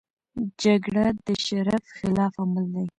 جګړه د شرف خلاف عمل دی